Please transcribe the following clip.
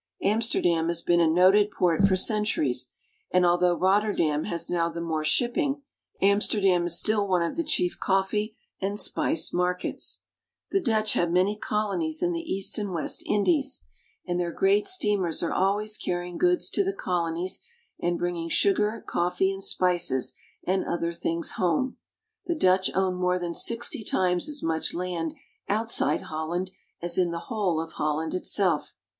Amsterdam has been a noted port for centuries, and although Rotterdam has now the more shipping, Am sterdam is still one of the chief coffee and spice markets. The Dutch have many colonies in the East and West IN THE DUTCH CITIES. H7 Indies ; and their great steamers are always carrying goods to the colonies and bringing sugar, coffee, and spices and other things home. The Dutch own more than sixty times as much land outside Holland as in the whole of Holland it self.